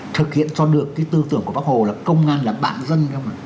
thực hiện cho được tư tưởng của bác hồ là công an là bạn dân